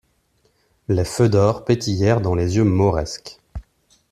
Les feux d'or pétillèrent dans les yeux mauresques.